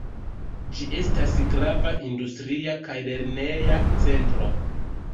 Ĝi estas grava industria kaj lerneja centro.